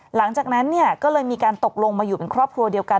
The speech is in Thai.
หลังจากนั้นเนี่ยก็เลยมีการตกลงมาอยู่เป็นครอบครัวเดียวกัน